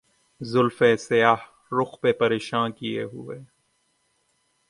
زلفِ سیاہ رُخ پہ پریشاں کیے ہوئے